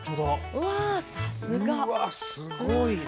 うわっすごいな！